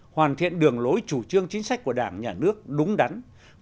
hoàn thiện đường lối chủ trương chính sách của đảng nhà nước đúng đảng viên